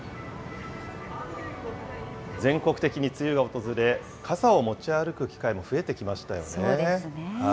全国的に梅雨が訪れ、傘を持ち歩く機会も増えてきましたよね。